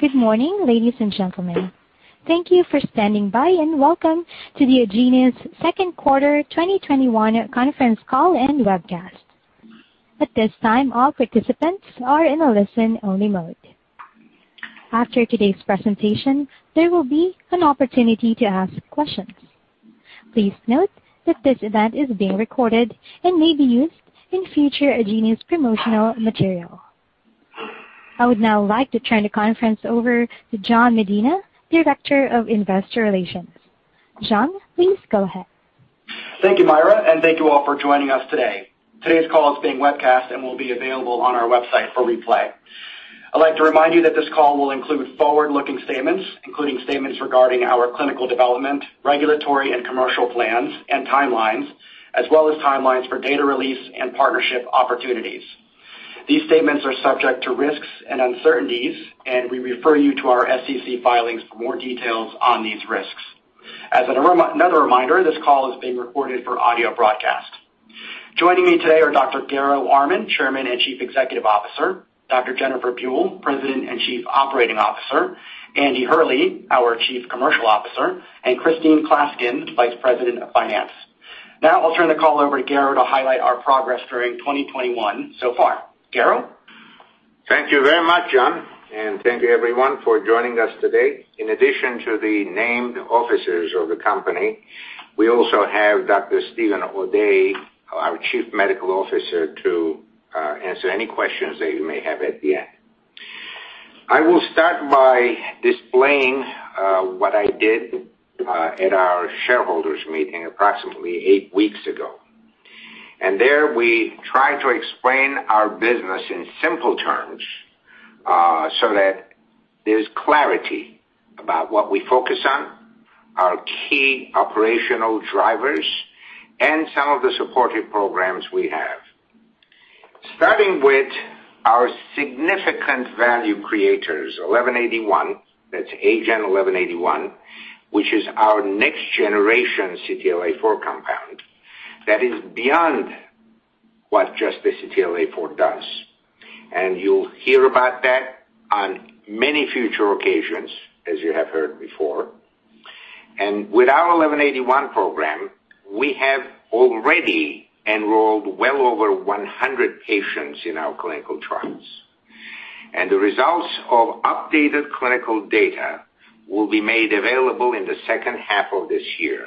Good morning, ladies and gentlemen. Thank you for standing by, and welcome to the Agenus second quarter 2021 conference call and webcast. At this time, all participants are in a listen-only mode. After today's presentation, there will be an opportunity to ask questions. Please note that this event is being recorded and may be used in future Agenus promotional material. I would now like to turn the conference over to Jan Medina, Director of Investor Relations. Jan, please go ahead. Thank you, Myra, and thank you all for joining us today. Today's call is being webcast and will be available on our website for replay. I'd like to remind you that this call will include forward-looking statements, including statements regarding our clinical development, regulatory and commercial plans and timelines, as well as timelines for data release and partnership opportunities. These statements are subject to risks and uncertainties, and we refer you to our SEC filings for more details on these risks. As another reminder, this call is being recorded for audio broadcast. Joining me today are Dr. Garo Armen, Chairman and Chief Executive Officer, Dr. Jennifer Buell, President and Chief Operating Officer, Andy Hurley, our Chief Commercial Officer, and Christine Klaskin, Vice President of Finance. I'll turn the call over to Garo to highlight our progress during 2021 so far. Garo? Thank you very much, Jan. Thank you everyone for joining us today. In addition to the named officers of the company, we also have Dr. Steven O'Day, our Chief Medical Officer, to answer any questions that you may have at the end. I will start by displaying what I did at our shareholders' meeting approximately eight weeks ago. There, we tried to explain our business in simple terms, so that there's clarity about what we focus on, our key operational drivers, and some of the supportive programs we have. Starting with our significant value creators, 1181, that's AGEN1181, which is our next-generation CTLA-4 compound that is beyond what just the CTLA-4 does. You'll hear about that on many future occasions, as you have heard before. With our AGEN1181 program, we have already enrolled well over 100 patients in our clinical trials, and the results of updated clinical data will be made available in the second half of this year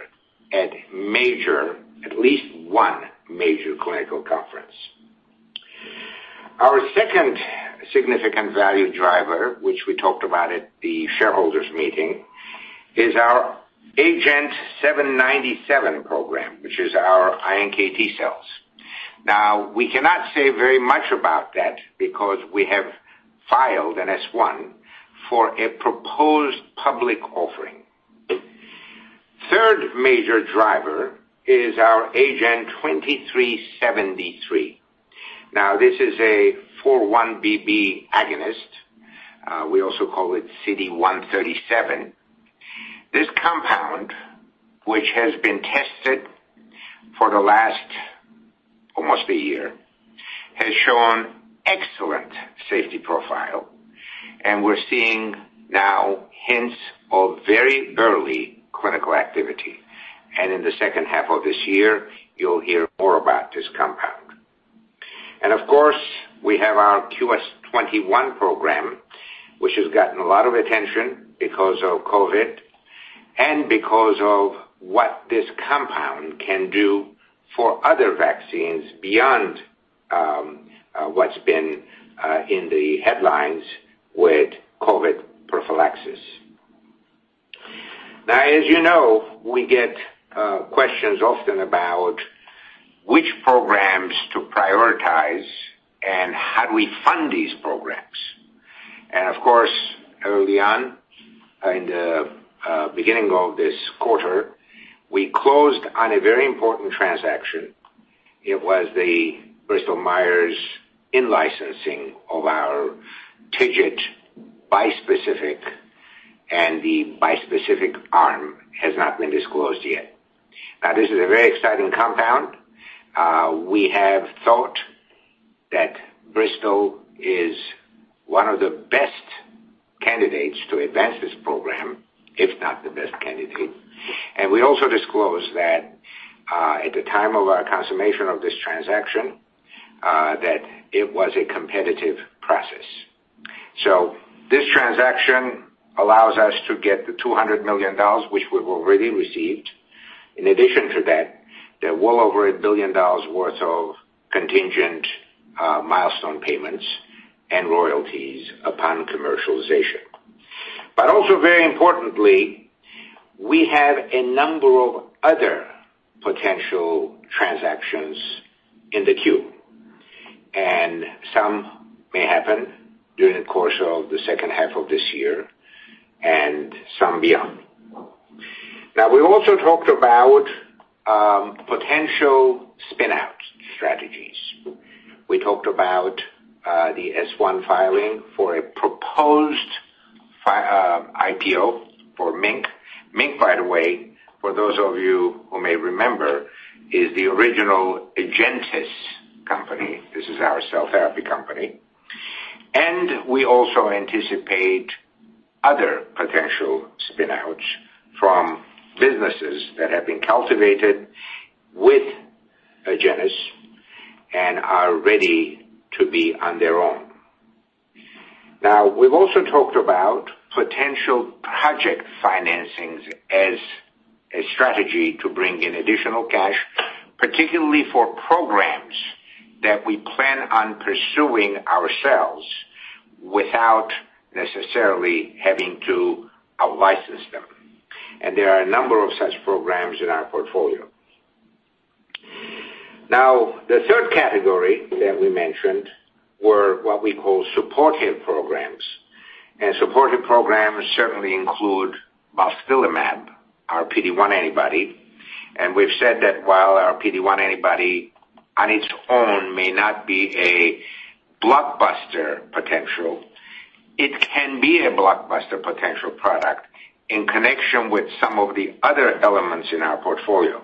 at major, at least one major clinical conference. Our second significant value driver, which we talked about at the shareholders' meeting, is our agenT-797 program, which is our iNKT cells. We cannot say very much about that because we have filed an S-1 for a proposed public offering. Third major driver is our AGEN2373. This is a 4-1BB agonist. We also call it CD137. This compound, which has been tested for the last almost a year, has shown excellent safety profile, and we're seeing now hints of very early clinical activity. In the second half of this year, you'll hear more about this compound. Of course, we have our QS-21 program, which has gotten a lot of attention because of COVID and because of what this compound can do for other vaccines beyond what's been in the headlines with COVID prophylaxis. As you know, we get questions often about which programs to prioritize and how do we fund these programs. Of course, early on in the beginning of this quarter, we closed on a very important transaction. It was the Bristol Myers in-licensing of our TIGIT bispecific, and the bispecific arm has not been disclosed yet. This is a very exciting compound. We have thought that Bristol is one of the best candidates to advance this program, if not the best candidate. We also disclosed that at the time of our consummation of this transaction, that it was a competitive process. This transaction allows us to get the $200 million, which we've already received. In addition to that, there are well over $1 billion worth of contingent milestone payments and royalties upon commercialization. Also very importantly, we have a number of other potential transactions in the queue, and some may happen during the course of the second half of this year and some beyond. We also talked about potential spin-out strategies. We talked about the S-1 filing for a proposed IPO for MiNK. MiNK, by the way, for those of you who may remember, is the original AgenTus Company. This is our cell therapy company, and we also anticipate other potential spin-outs from businesses that have been cultivated with Agenus and are ready to be on their own. We've also talked about potential project financings as a strategy to bring in additional cash, particularly for programs that we plan on pursuing ourselves without necessarily having to out-license them. There are a number of such programs in our portfolio. The third category that we mentioned were what we call supportive programs, and supportive programs certainly include balstilimab, our PD-1 antibody. We've said that while our PD-1 antibody on its own may not be a blockbuster potential, it can be a blockbuster potential product in connection with some of the other elements in our portfolio.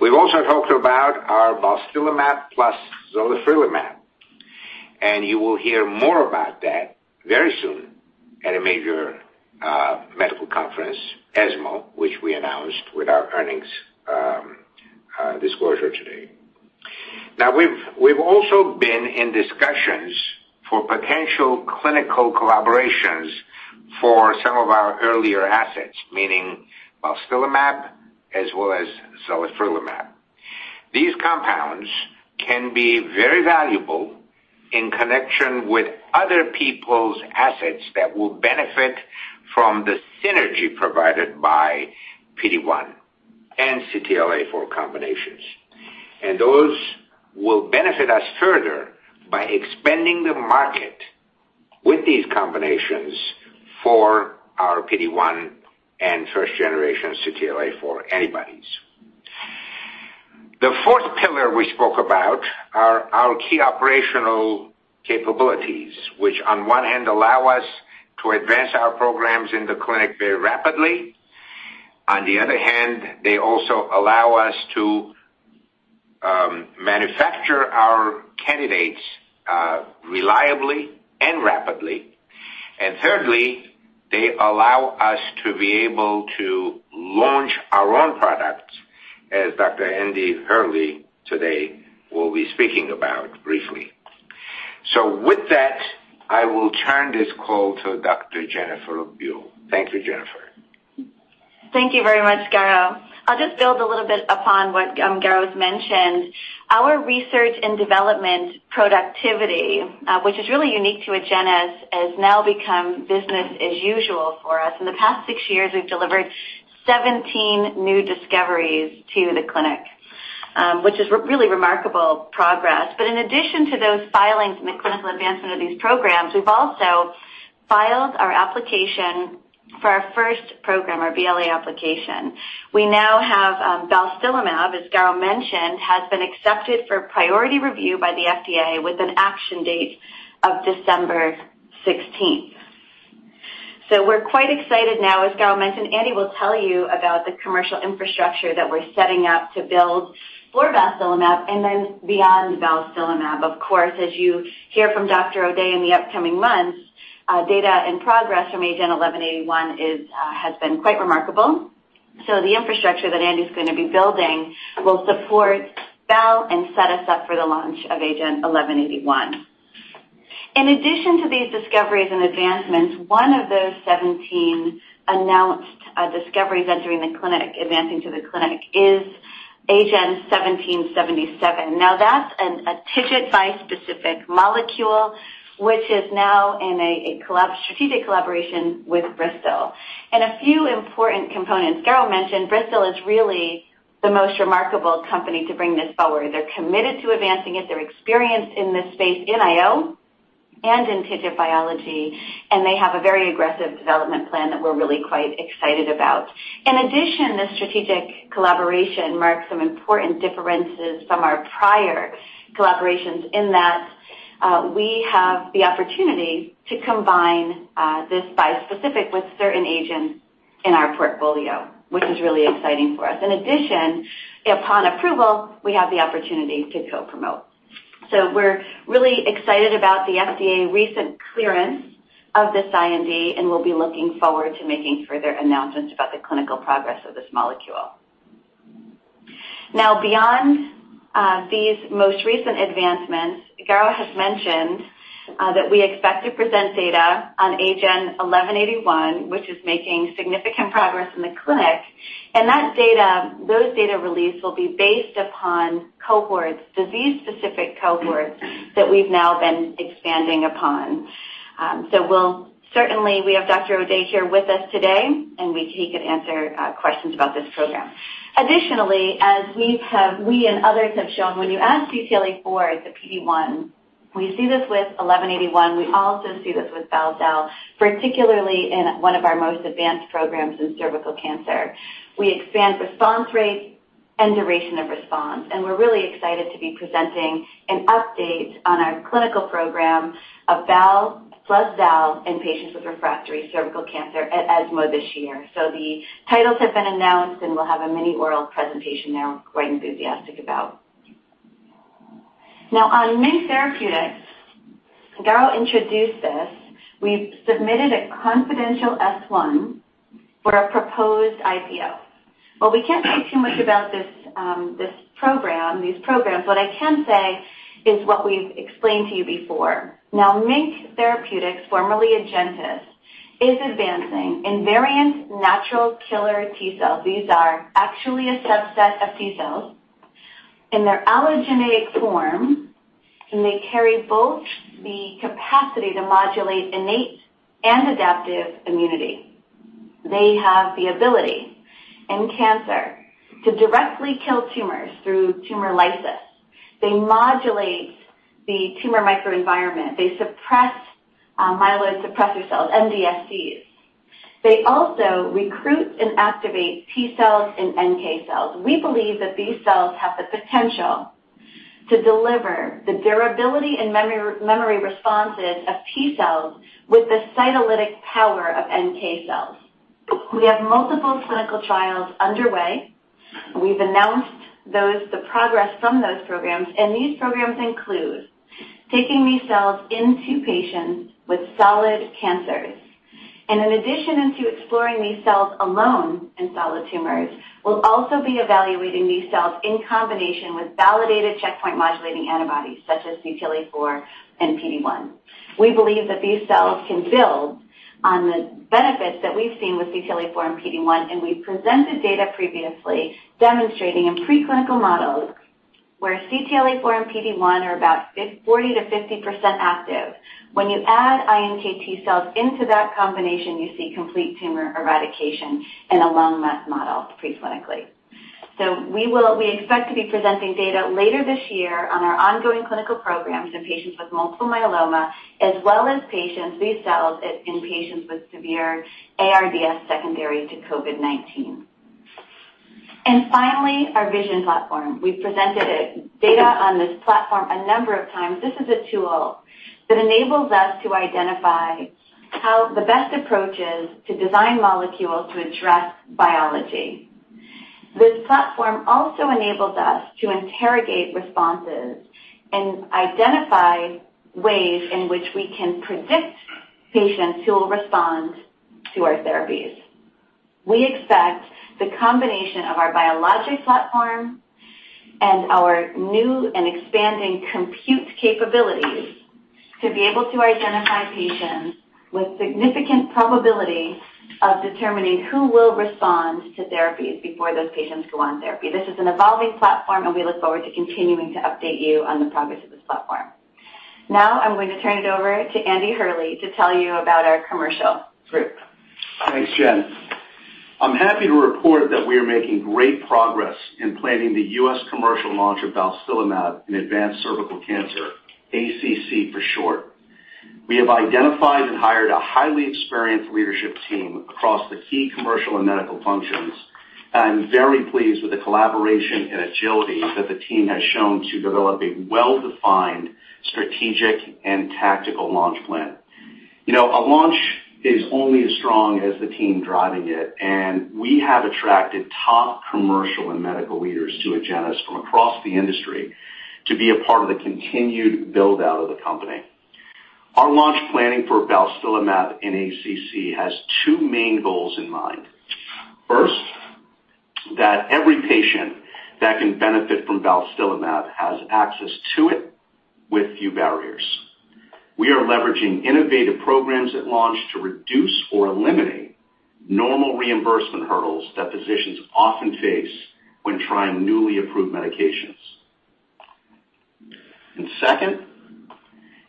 We've also talked about our balstilimab plus zalifrelimab, and you will hear more about that very soon at a major medical conference, ESMO, which we announced with our earnings disclosure today. We've also been in discussions for potential clinical collaborations for some of our earlier assets, meaning balstilimab as well as zalifrelimab. These compounds can be very valuable in connection with other people's assets that will benefit from the synergy provided by PD-1 and CTLA-4 combinations, and those will benefit us further by expanding the market with these combinations for our PD-1 and first generation CTLA-4 antibodies. The fourth pillar we spoke about are our key operational capabilities, which on one hand allow us to advance our programs in the clinic very rapidly. On the other hand, they also allow us to manufacture our candidates reliably and rapidly. Thirdly, they allow us to be able to launch our own products, as Dr. Andy Hurley today will be speaking about briefly. With that, I will turn this call to Dr. Jennifer Buell. Thank you, Jennifer. Thank you very much, Garo. I'll just build a little bit upon what Garo's mentioned. Our research and development productivity, which is really unique to Agenus, has now become business as usual for us. In the past six years, we've delivered 17 new discoveries to the clinic, which is really remarkable progress. In addition to those filings and the clinical advancement of these programs, we've also filed our application for our first program, our BLA application. We now have balstilimab, as Garo mentioned, has been accepted for priority review by the FDA with an action date of December 16th. We're quite excited now, as Garo mentioned, Andy will tell you about the commercial infrastructure that we're setting up to build for balstilimab and then beyond balstilimab. Of course, as you hear from Dr. O'Day in the upcoming months, data and progress from AGEN1181 has been quite remarkable. The infrastructure that Andy's going to be building will support Bal and set us up for the launch of AGEN1181. In addition to these discoveries and advancements, one of those 17 announced discoveries entering the clinic, advancing to the clinic is AGEN1777. That's a TIGIT bispecific molecule, which is now in a strategic collaboration with Bristol and a few important components. Garo mentioned Bristol is really the most remarkable company to bring this forward. They're committed to advancing it. They're experienced in this space in IO and in TIGIT biology, and they have a very aggressive development plan that we're really quite excited about. In addition, this strategic collaboration marks some important differences from our prior collaborations in that we have the opportunity to combine this bispecific with certain agents in our portfolio, which is really exciting for us. In addition, upon approval, we have the opportunity to co-promote. We're really excited about the FDA recent clearance of this IND, and we'll be looking forward to making further announcements about the clinical progress of this molecule. Beyond these most recent advancements, Garo has mentioned that we expect to present data on AGEN1181, which is making significant progress in the clinic. Those data release will be based upon cohorts, disease-specific cohorts that we've now been expanding upon. We have Dr. O'Day here with us today, and he can answer questions about this program. Additionally, as we and others have shown when you add CTLA-4 at the PD-1, we see this with AGEN1181. We also see this with Bal/Zal, particularly in one of our most advanced programs in cervical cancer. We expand response rate and duration of response. We're really excited to be presenting an update on our clinical program of Bal plus Zal in patients with refractory cervical cancer at ESMO this year. The titles have been announced, and we'll have a mini oral presentation there I'm quite enthusiastic about. On MiNK Therapeutics, Garo Armen introduced this. We've submitted a confidential S-1 for a proposed IPO. We can't say too much about these programs. I can say is what we've explained to you before. MiNK Therapeutics, formerly Agenus, is advancing Invariant natural killer T-cells. These are actually a subset of T-cells in their allogeneic form, and they carry both the capacity to modulate innate and adaptive immunity. They have the ability in cancer to directly kill tumors through tumor lysis. They modulate the tumor microenvironment. They suppress myeloid suppressor cells, MDSCs. They also recruit and activate T-cells and NK cells. We believe that these cells have the potential to deliver the durability and memory responses of T-cells with the cytolytic power of NK cells. We have multiple clinical trials underway. We've announced the progress from those programs. These programs include taking these cells into patients with solid cancers. In addition into exploring these cells alone in solid tumors, we'll also be evaluating these cells in combination with validated checkpoint modulating antibodies such as CTLA-4 and PD-1. We believe that these cells can build on the benefits that we've seen with CTLA-4 and PD-1. We presented data previously demonstrating in pre-clinical models where CTLA-4 and PD-1 are about 40%-50% active. When you add iNKT cells into that combination, you see complete tumor eradication in a lung mets model pre-clinically. We expect to be presenting data later this year on our ongoing clinical programs in patients with multiple myeloma, as well as these cells in patients with severe ARDS secondary to COVID-19. Finally, our VISION platform. We've presented data on this platform a number of times. This is a tool that enables us to identify how the best approach is to design molecules to address biology. This platform also enables us to interrogate responses and identify ways in which we can predict patients who will respond to our therapies. We expect the combination of our biologic platform and our new and expanding compute capabilities to be able to identify patients with significant probability of determining who will respond to therapies before those patients go on therapy. This is an evolving platform, and we look forward to continuing to update you on the progress of this platform. Now, I'm going to turn it over to Andy Hurley to tell you about our commercial group. Thanks, Jenn. I'm happy to report that we are making great progress in planning the U.S. commercial launch of balstilimab in advanced cervical cancer, ACC for short. We have identified and hired a highly experienced leadership team across the key commercial and medical functions. I'm very pleased with the collaboration and agility that the team has shown to develop a well-defined strategic and tactical launch plan. A launch is only as strong as the team driving it, and we have attracted top commercial and medical leaders to Agenus from across the industry to be a part of the continued build-out of the company. Our launch planning for balstilimab in ACC has two main goals in mind. First, that every patient that can benefit from balstilimab has access to it with few barriers. We are leveraging innovative programs at launch to reduce or eliminate normal reimbursement hurdles that physicians often face when trying newly approved medications. Second,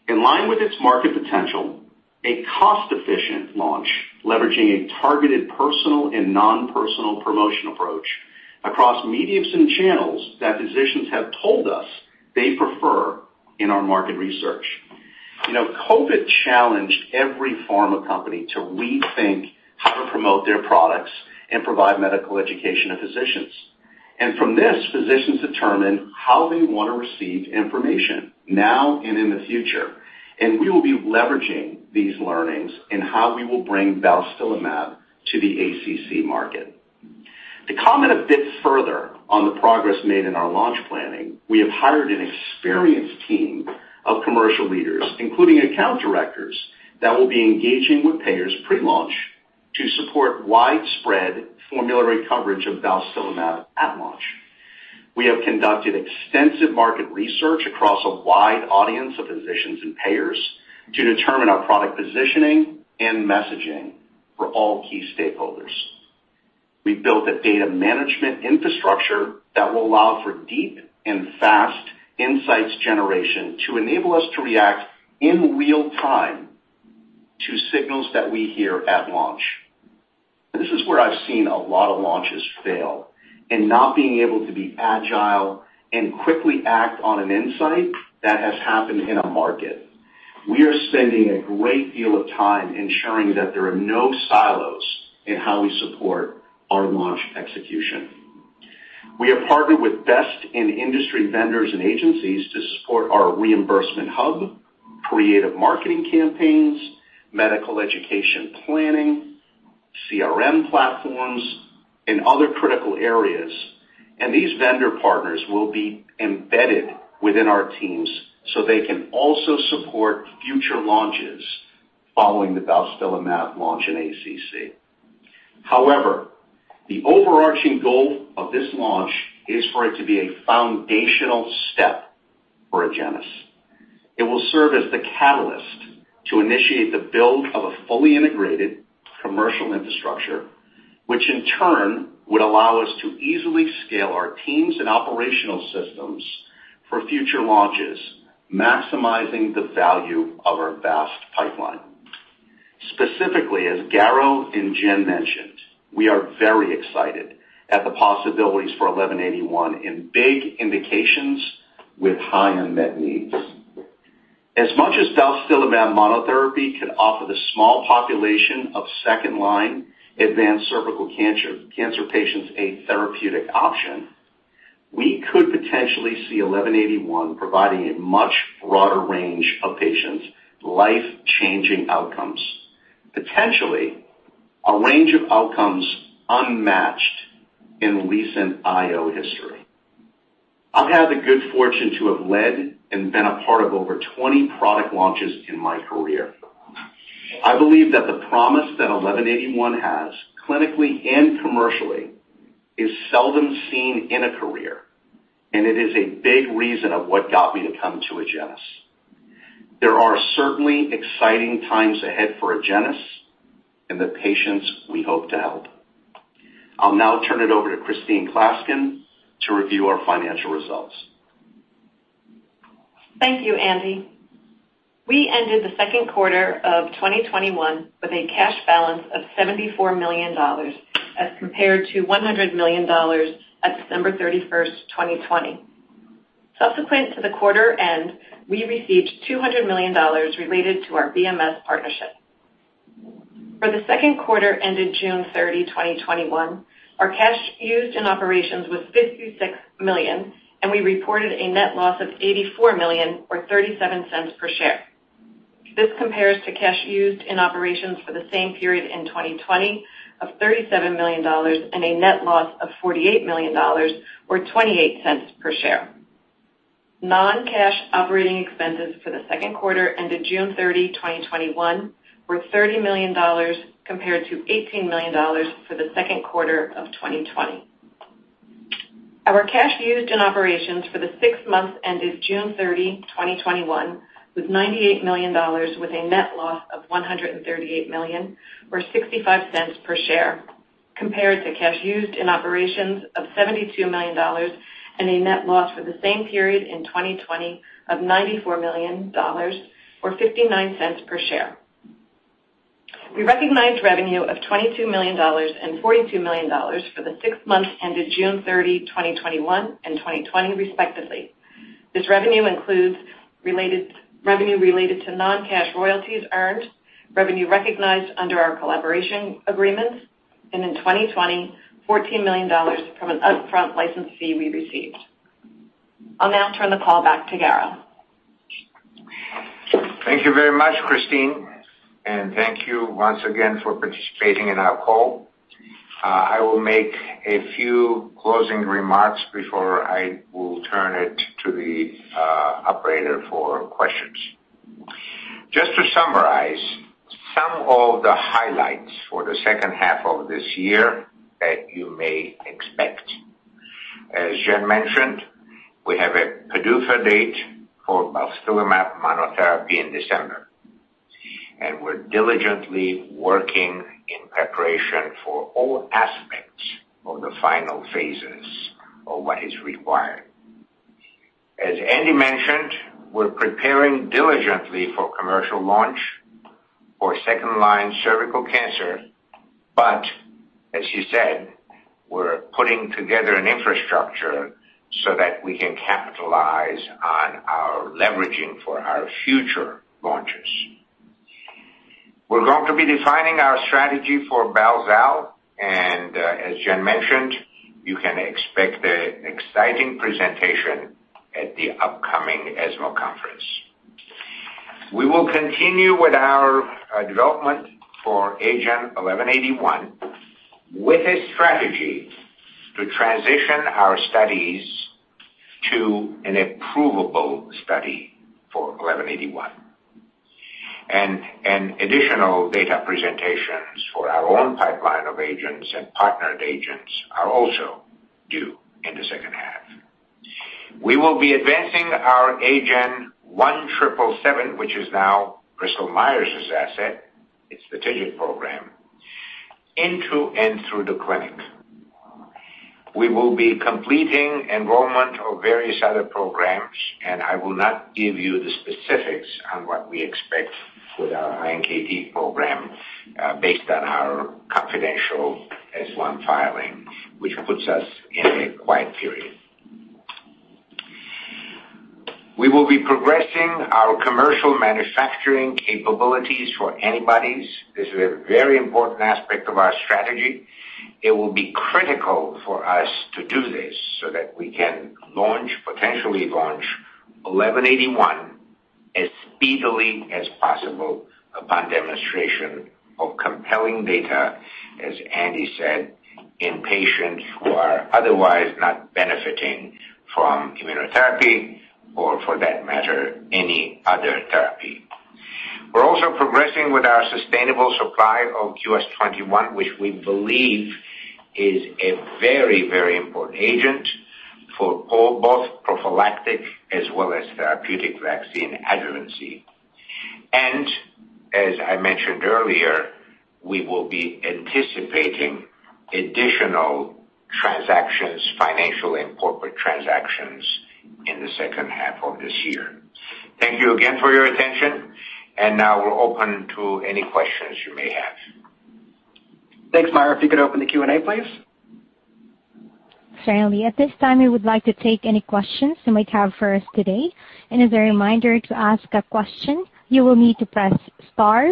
in line with its market potential, a cost-efficient launch leveraging a targeted personal and non-personal promotion approach across mediums and channels that physicians have told us they prefer in our market research. COVID challenged every pharma company to rethink how to promote their products and provide medical education to physicians. From this, physicians determine how they want to receive information now and in the future. We will be leveraging these learnings in how we will bring balstilimab to the ACC market. To comment a bit further on the progress made in our launch planning, we have hired an experienced team of commercial leaders, including account directors that will be engaging with payers pre-launch to support widespread formulary coverage of balstilimab at launch. We have conducted extensive market research across a wide audience of physicians and payers to determine our product positioning and messaging for all key stakeholders. We've built a data management infrastructure that will allow for deep and fast insights generation to enable us to react in real time to signals that we hear at launch. This is where I've seen a lot of launches fail in not being able to be agile and quickly act on an insight that has happened in a market. We are spending a great deal of time ensuring that there are no silos in how we support our launch execution. We have partnered with best-in-industry vendors and agencies to support our reimbursement hub, creative marketing campaigns, medical education planning, CRM platforms, and other critical areas. These vendor partners will be embedded within our teams so they can also support future launches following the balstilimab launch in ACC. However, the overarching goal of this launch is for it to be a foundational step for Agenus. It will serve as the catalyst to initiate the build of a fully integrated commercial infrastructure, which in turn would allow us to easily scale our teams and operational systems for future launches, maximizing the value of our vast pipeline. Specifically, as Garo and Jen mentioned, we are very excited at the possibilities for AGEN1181 in big indications with high unmet needs. As much as balstilimab monotherapy could offer the small population of second-line advanced cervical cancer patients a therapeutic option, we could potentially see AGEN1181 providing a much broader range of patients life-changing outcomes, potentially a range of outcomes unmatched in recent IO history. I've had the good fortune to have led and been a part of over 20 product launches in my career. I believe that the promise that AGEN1181 has, clinically and commercially, is seldom seen in a career, and it is a big reason of what got me to come to Agenus. There are certainly exciting times ahead for Agenus and the patients we hope to help. I'll now turn it over to Christine Klaskin to review our financial results. Thank you, Andy. We ended the second quarter of 2021 with a cash balance of $74 million as compared to $100 million at December 31st, 2020. Subsequent to the quarter end, we received $200 million related to our BMS partnership. For the second quarter ended June 30, 2021, our cash used in operations was $56 million, and we reported a net loss of $84 million or $0.37 per share. This compares to cash used in operations for the same period in 2020 of $37 million and a net loss of $48 million or $0.28 per share. Non-cash operating expenses for the second quarter ended June 30, 2021, were $30 million compared to $18 million for the second quarter of 2020. Our cash used in operations for the six months ended June 30, 2021, was $98 million with a net loss of $138 million or $0.65 per share compared to cash used in operations of $72 million and a net loss for the same period in 2020 of $94 million or $0.59 per share. We recognized revenue of $22 million and $42 million for the six months ended June 30, 2021, and 2020 respectively. This revenue includes revenue related to non-cash royalties earned, revenue recognized under our collaboration agreements, and in 2020, $14 million from an upfront license fee we received. I'll now turn the call back to Garo. Thank you very much, Christine, and thank you once again for participating in our call. I will make a few closing remarks before I will turn it to the operator for questions. To summarize some of the highlights for the second half of this year that you may expect. As Jen mentioned, we have a PDUFA date for balstilimab monotherapy in December, and we're diligently working in preparation for all aspects of the final phases of what is required. As Andy mentioned, we're preparing diligently for commercial launch for second-line cervical cancer. As he said, we're putting together an infrastructure so that we can capitalize on our leveraging for our future launches. We're going to be defining our strategy for Bal/Zal, and as Jen mentioned, you can expect an exciting presentation at the upcoming ESMO conference. We will continue with our development for AGEN1181 with a strategy to transition our studies to an approvable study for AGEN1181. Additional data presentations for our own pipeline of agents and partnered agents are also due in the second half. We will be advancing our AGEN1777, which is now Bristol Myers' asset, its TIGIT program, into and through the clinic. We will be completing enrollment of various other programs, and I will not give you the specifics on what we expect with our iNKT program based on our confidential S-1 filing, which puts us in a quiet period. We will be progressing our commercial manufacturing capabilities for antibodies. This is a very important aspect of our strategy. It will be critical for us to do this so that we can potentially launch AGEN1181 as speedily as possible upon demonstration of compelling data, as Andy said, in patients who are otherwise not benefiting from immunotherapy or for that matter, any other therapy. We're also progressing with our sustainable supply of QS-21, which we believe is a very important agent for both prophylactic as well as therapeutic vaccine adjuvancy. As I mentioned earlier, we will be anticipating additional financial and corporate transactions in the second half of this year. Thank you again for your attention, and now we're open to any questions you may have. Thanks, Myra. If you could open the Q&A, please. Certainly. At this time, we would like to take any questions you might have for us today. As a reminder, to ask a question, you will need to press star,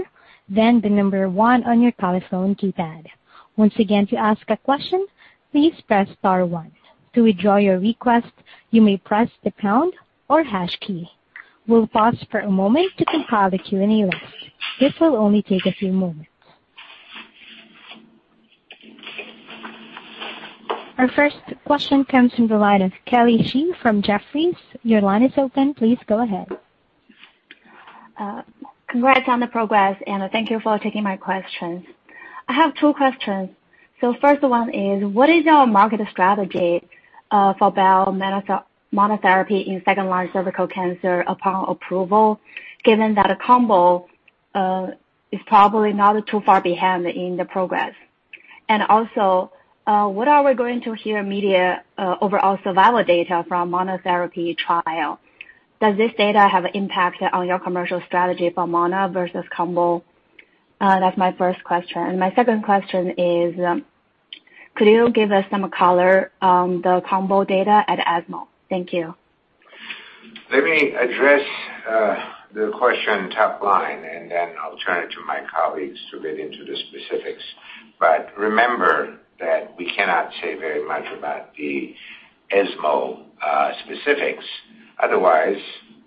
then one on your telephone keypad. Once again, to ask a question, please press star one. To withdraw your request, you may press the pound or hash key. We'll pause for a moment to compile the Q&A list. This will only take a few moments. Our first question comes from the line of Kelly Shi from Jefferies. Your line is open. Please go ahead. Congrats on the progress, and thank you for taking my questions. I have two questions. The first one is, what is your market strategy for bal monotherapy in second-line cervical cancer upon approval, given that a combo is probably not too far behind in the progress? Also, when are we going to hear media overall survival data from monotherapy trial? Does this data have an impact on your commercial strategy for mono versus combo? That's my first question. My second question is, could you give us some color on the combo data at ESMO? Thank you. Let me address the question top line, and then I'll turn it to my colleagues to get into the specifics. Remember that we cannot say very much about the ESMO specifics. Otherwise,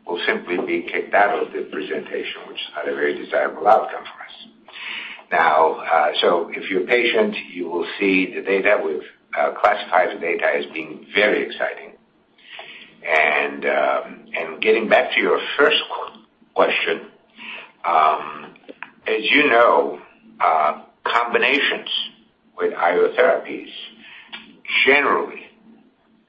we'll simply be kicked out of the presentation, which is not a very desirable outcome for us. If you're patient, you will see the data. We've classified the data as being very exciting. Getting back to your first question, as you know, combinations with IO therapies generally,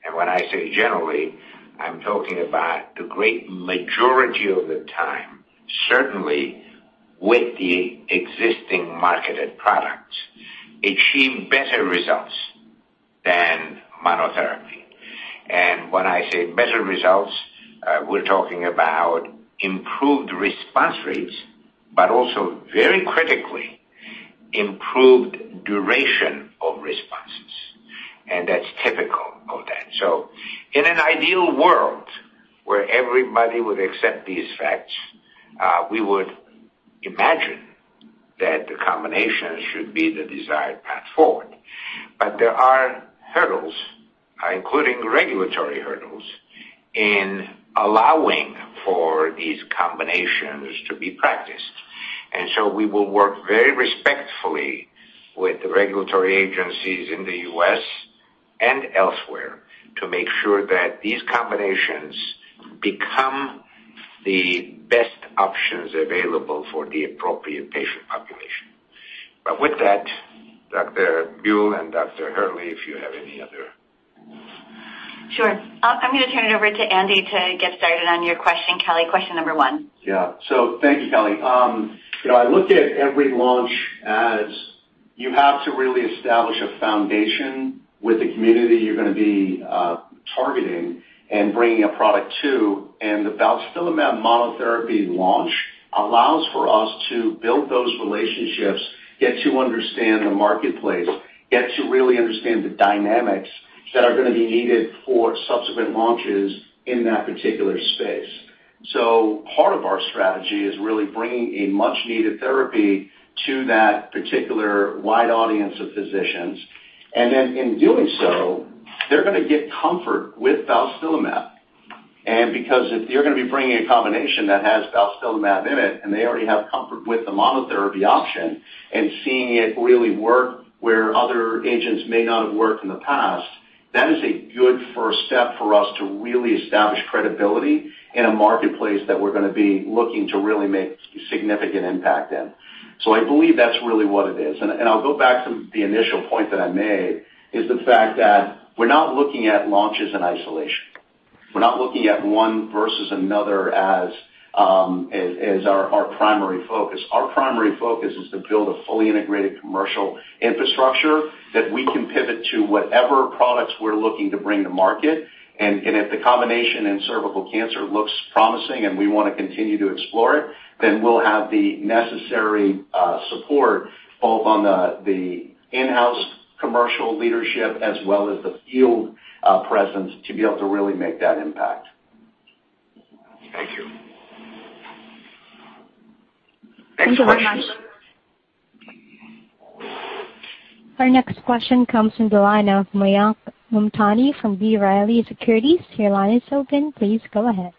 and when I say generally, I'm talking about the great majority of the time, certainly with the existing marketed products, achieve better results than monotherapy. When I say better results, we're talking about improved response rates, but also very critically improved duration of responses, and that's typical of that. In an ideal world where everybody would accept these facts, we would imagine that the combination should be the desired path forward. There are hurdles, including regulatory hurdles, in allowing for these combinations to be practiced. We will work very respectfully with the regulatory agencies in the U.S. and elsewhere to make sure that these combinations become the best options available for the appropriate patient population. With that, Dr. Buell and Dr. Hurley, if you have any other. Sure. I'm going to turn it over to Andy to get started on your question, Kelly, question number one. Yeah. Thank you, Kelly. I look at every launch as you have to really establish a foundation with the community you're going to be targeting and bringing a product to, and the balstilimab monotherapy launch allows for us to build those relationships, get to understand the marketplace, get to really understand the dynamics that are going to be needed for subsequent launches in that particular space. Part of our strategy is really bringing a much-needed therapy to that particular wide audience of physicians. In doing so, they're going to get comfort with balstilimab. Because if you're going to be bringing a combination that has balstilimab in it, and they already have comfort with the monotherapy option and seeing it really work where other agents may not have worked in the past, that is a good first step for us to really establish credibility in a marketplace that we're going to be looking to really make significant impact in. I believe that's really what it is. I'll go back to the initial point that I made is the fact that we're not looking at launches in isolation. We're not looking at one versus another as our primary focus. Our primary focus is to build a fully integrated commercial infrastructure that we can pivot to whatever products we're looking to bring to market. If the combination in cervical cancer looks promising and we want to continue to explore it, then we'll have the necessary support both on the in-house. Commercial leadership, as well as the field presence to be able to really make that impact. Thank you. Thank you very much. Next question. Our next question comes from the line of Mayank Mamtani from B. Riley Securities. Your line is open. Please go ahead.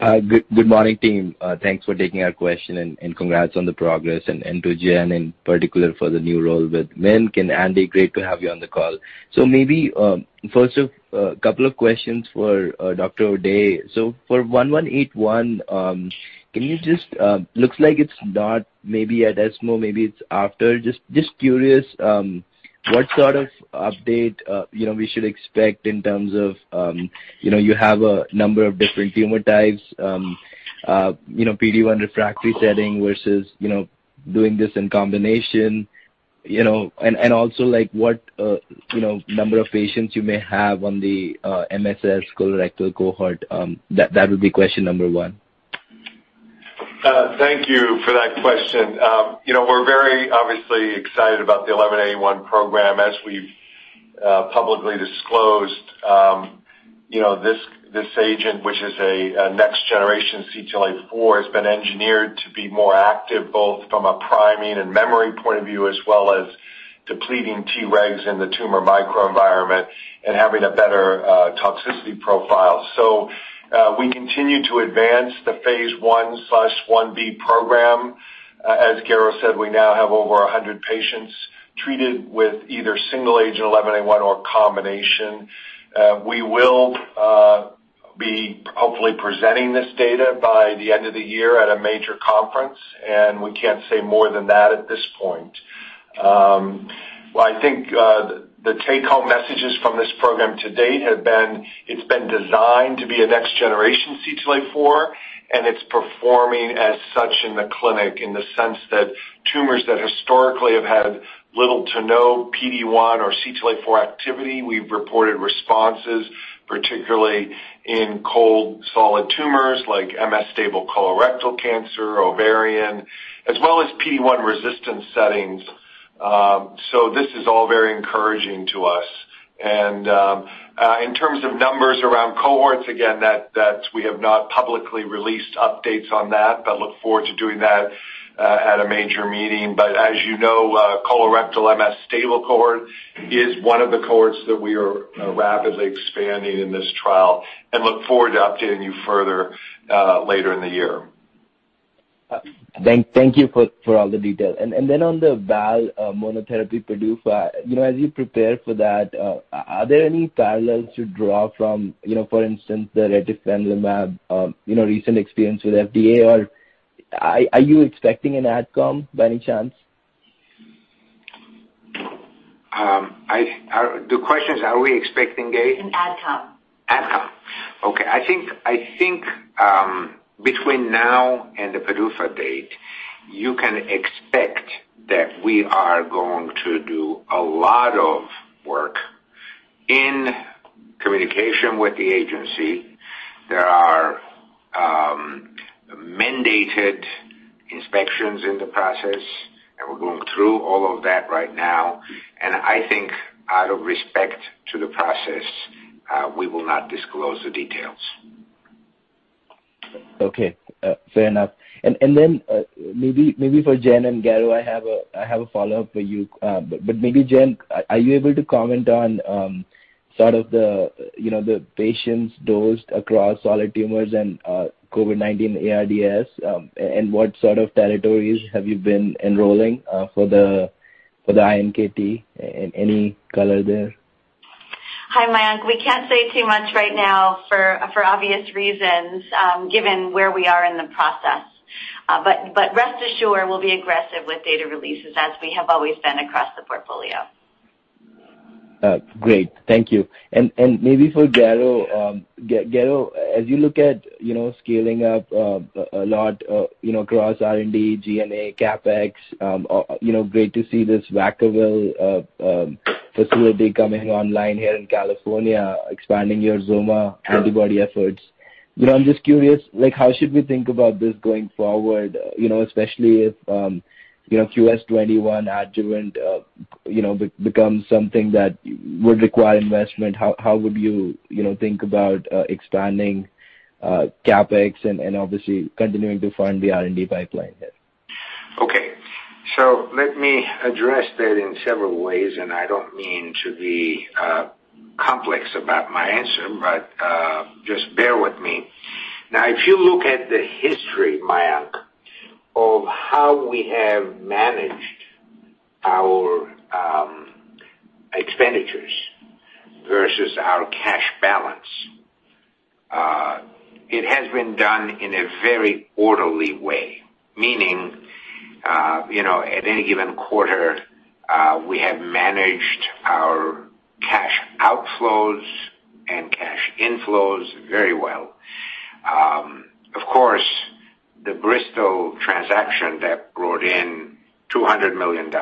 Good morning, team. Thanks for taking our question, and congrats on the progress, and to Jenn in particular for the new role with MiNK. Andy, great to have you on the call. Maybe first, a couple of questions for Dr. O'Day. For AGEN1181, looks like it's not maybe at ESMO, maybe it's after. Just curious, what sort of update we should expect in terms of, you have a number of different tumor types, PD-1 refractory setting versus doing this in combination. Also what number of patients you may have on the MSS colorectal cohort. That would be question number one. Thank you for that question. We're very obviously excited about the AGEN1181 program. As we've publicly disclosed, this agent, which is a next generation CTLA-4, has been engineered to be more active, both from a priming and memory point of view, as well as depleting Tregs in the tumor microenvironment and having a better toxicity profile. We continue to advance the phase I/I-B program. As Garo said, we now have over 100 patients treated with either single agent AGEN1181 or a combination. We will be hopefully presenting this data by the end of the year at a major conference, and we can't say more than that at this point. I think the take-home messages from this program to date have been. It's been designed to be a next-generation CTLA-4, and it's performing as such in the clinic in the sense that tumors that historically have had little to no PD-1 or CTLA-4 activity, we've reported responses, particularly in cold solid tumors like MSS colorectal cancer, ovarian, as well as PD-1 resistant settings. This is all very encouraging to us. In terms of numbers around cohorts, again, we have not publicly released updates on that, but look forward to doing that at a major meeting. As you know, colorectal MSS cohort is one of the cohorts that we are rapidly expanding in this trial. Look forward to updating you further later in the year. Thank you for all the details. On the Bal monotherapy PDUFA, as you prepare for that, are there any parallels to draw from, for instance, the retifanlimab recent experience with FDA, or are you expecting an adcom by any chance? The question is, are we expecting a? An adcom. Adcom. Okay. I think between now and the PDUFA date, you can expect that we are going to do a lot of work in communication with the agency. There are mandated inspections in the process. We're going through all of that right now. I think out of respect to the process, we will not disclose the details. Okay. Fair enough. Then maybe for Jenn and Garo, I have a follow-up for you. Maybe Jenn, are you able to comment on sort of the patients dosed across solid tumors and COVID-19 ARDS? What sort of territories have you been enrolling for the iNKT, and any color there? Hi, Mayank. We can't say too much right now for obvious reasons, given where we are in the process. Rest assured, we'll be aggressive with data releases as we have always been across the portfolio. Great. Thank you. Maybe for Garo, as you look at scaling up a lot across R&D, G&A, CapEx, great to see this Vacaville facility coming online here in California, expanding your XOMA antibody efforts. I'm just curious, how should we think about this going forward, especially if QS-21 adjuvant becomes something that would require investment, how would you think about expanding CapEx and obviously continuing to fund the R&D pipeline there? Okay. Let me address that in several ways, and I don't mean to be complex about my answer, but just bear with me. If you look at the history, Mayank, of how we have managed our expenditures versus our cash balance, it has been done in a very orderly way, meaning, at any given quarter, we have managed our cash outflows and cash inflows very well. Of course, the Bristol transaction that brought in $200 million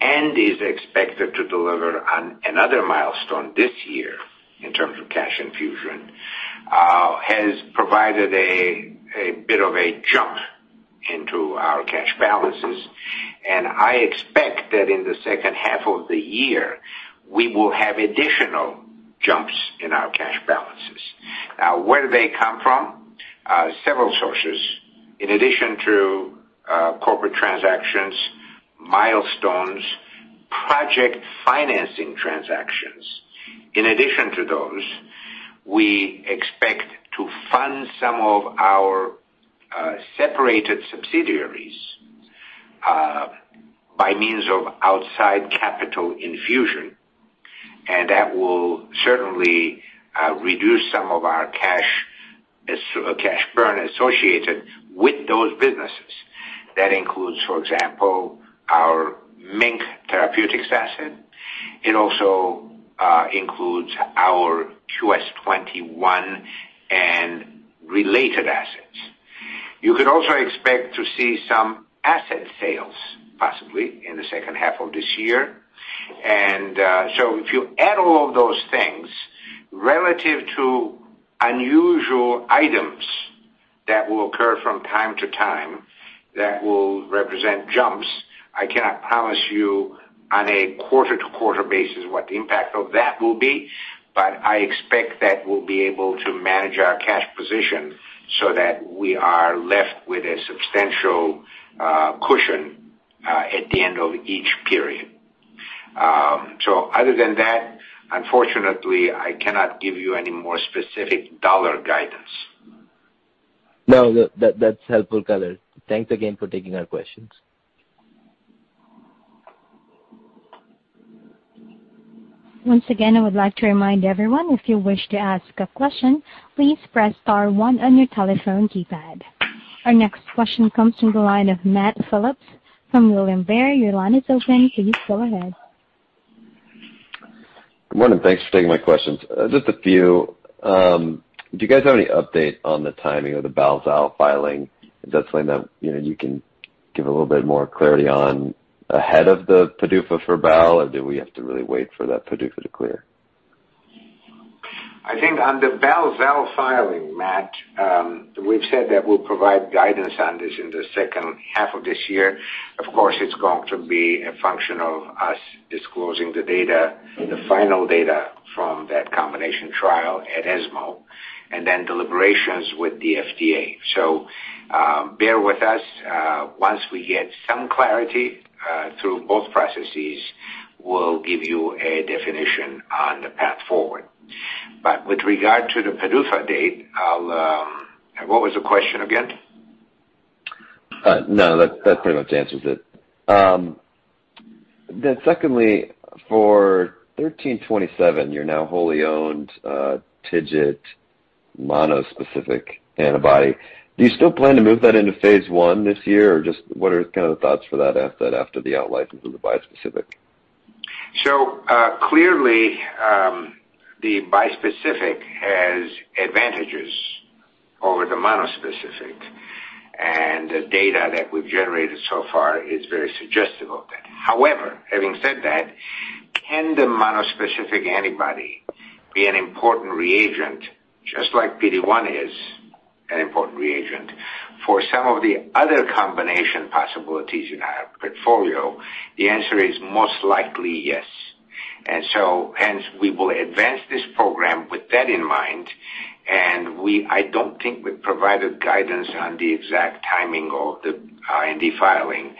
and is expected to deliver another milestone this year in terms of cash infusion has provided a bit of a jump into our cash balances, and I expect that in the second half of the year, we will have additional jumps in our cash balances. Where do they come from? Several sources. In addition to corporate transactions, milestones, project financing transactions. In addition to those, we expect to fund some of our separated subsidiaries by means of outside capital infusion, and that will certainly reduce some of our cash burn associated with those businesses. That includes, for example, our MiNK Therapeutics asset. It also includes our QS-21 and related assets. You could also expect to see some asset sales possibly in the second half of this year. If you add all of those things relative to unusual items that will occur from time to time, that will represent jumps. I cannot promise you on a quarter-to-quarter basis what the impact of that will be, but I expect that we'll be able to manage our cash position so that we are left with a substantial cushion at the end of each period. Other than that, unfortunately, I cannot give you any more specific dollar guidance. No, that's helpful color. Thanks again for taking our questions. Once again, I would like to remind everyone, if you wish to ask a question, please press star one on your telephone keypad. Our next question comes from the line of Matt Phipps from William Blair. Your line is open. Please go ahead. Good morning. Thanks for taking my questions. Just a few. Do you guys have any update on the timing of the Bal/Zal filing? Is that something that you can give a little bit more clarity on ahead of the PDUFA for Bal, or do we have to really wait for that PDUFA to clear? I think on the Bal/Zal filing, Matt, we've said that we'll provide guidance on this in the second half of this year. It's going to be a function of us disclosing the data, the final data from that combination trial at ESMO, and then deliberations with the FDA. Bear with us. Once we get some clarity, through both processes, we'll give you a definition on the path forward. With regard to the PDUFA date, I'll What was the question again? No, that pretty much answers it. Secondly, for AGEN1327, your now wholly owned TIGIT monospecific antibody. Do you still plan to move that into phase I this year? Just what are kind of the thoughts for that after the outlicense of the bispecific? Clearly, the bispecific has advantages over the monospecific, and the data that we've generated so far is very suggestive of that. However, having said that, can the monospecific antibody be an important reagent, just like PD-1 is an important reagent, for some of the other combination possibilities in our portfolio? The answer is most likely yes. Hence, we will advance this program with that in mind, and I don't think we've provided guidance on the exact timing of the IND filing,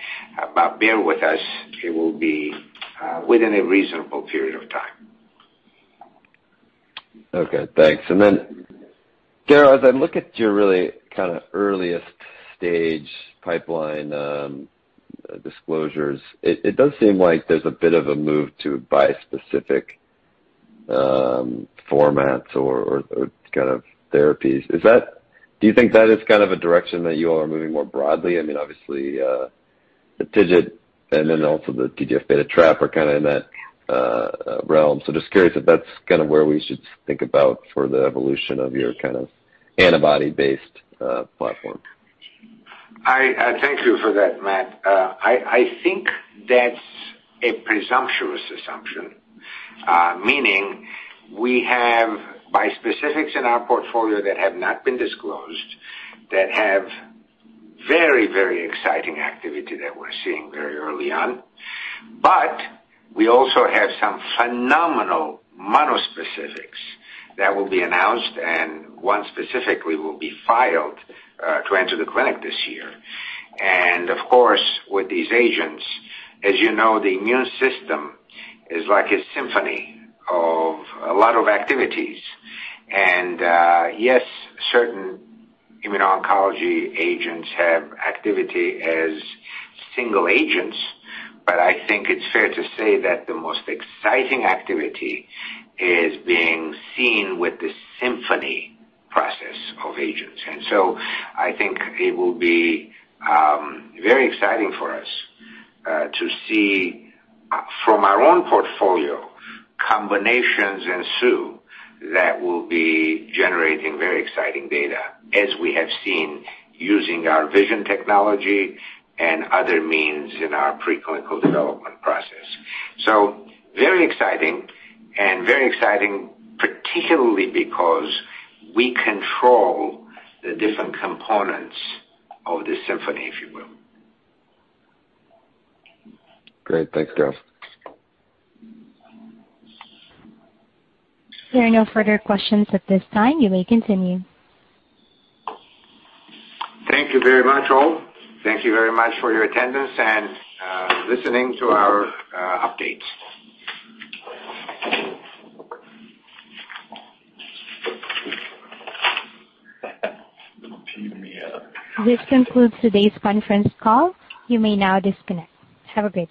but bear with us. It will be within a reasonable period of time. Okay, thanks. Then, Garo, as I look at your really earliest stage pipeline disclosures, it does seem like there's a bit of a move to bispecific formats or kind of therapies. Do you think that is kind of a direction that you all are moving more broadly? Obviously, the TIGIT and then also the TGF beta trap are kind of in that realm. Just curious if that's where we should think about for the evolution of your kind of antibody-based platform. Thank you for that, Matt. I think that's a presumptuous assumption, meaning we have bispecifics in our portfolio that have not been disclosed that have very exciting activity that we're seeing very early on. We also have some phenomenal monospecifics that will be announced, and one specifically will be filed to enter the clinic this year. Of course, with these agents, as you know, the immune system is like a symphony of a lot of activities. Yes, certain immuno-oncology agents have activity as single agents, but I think it's fair to say that the most exciting activity is being seen with the symphony process of agents. I think it will be very exciting for us to see from our own portfolio combinations ensue that will be generating very exciting data as we have seen using our VISION technology and other means in our preclinical development process. Very exciting, and very exciting particularly because we control the different components of the symphony, if you will. Great. Thanks, Garo. There are no further questions at this time. You may continue. Thank you very much, all. Thank you very much for your attendance and listening to our updates. This concludes today's conference call. You may now disconnect. Have a great day